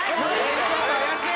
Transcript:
ちょっと怪しい！